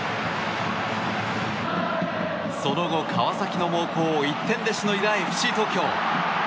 その後、川崎の猛攻を１点でしのいだＦＣ東京。